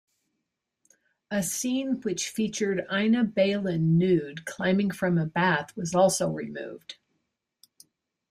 A scene which featured Ina Balin nude climbing from a bath was also removed.